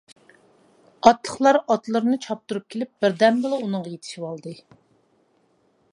ئاتلىقلار ئاتلىرىنى چاپتۇرۇپ كېلىپ بىردەمدىلا ئۇنىڭغا يېتىشىۋالدى.